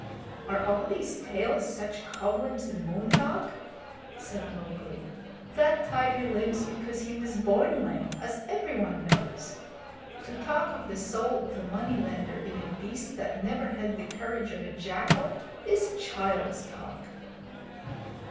"Are all these tales such cobwebs and moon talk?" said Mowgli. "That tiger limps because he was born lame, as everyone knows. To talk of the soul of a money lender in a beast that never had the courage of a jackal is child's talk."